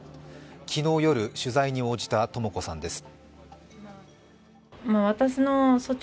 昨日夜、取材に応じたとも子さんです。